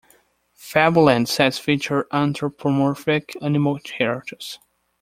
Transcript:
Fabuland sets featured anthropomorphic animal characters.